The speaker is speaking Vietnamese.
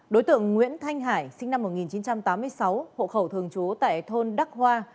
đối tượng nguyễn thanh hải sinh năm một nghìn chín trăm tám mươi sáu hộ khẩu thường trú tại thôn đắc hoa